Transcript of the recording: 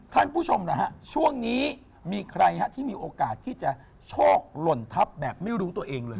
ท่านผู้ชมนะฮะช่วงนี้มีใครฮะที่มีโอกาสที่จะโชคหล่นทัพแบบไม่รู้ตัวเองเลย